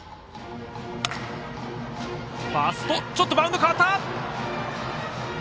ファースト、バウンド変わった。